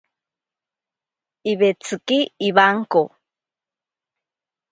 Iwetsiki iwanko.